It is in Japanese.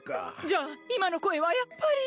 じゃあ今の声はやっぱり。